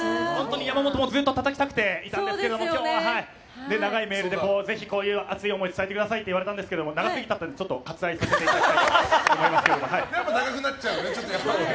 山本もずっとたたきたくていたんですけど今日は長いメールでこういう熱い思いを伝えてくださいって言われたんですけど長すぎたんでちょっと割愛させていただきます。